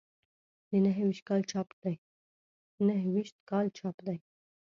د نهه ویشت کال چاپ دی.